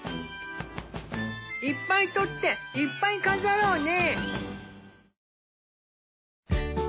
いっぱい撮っていっぱい飾ろうね。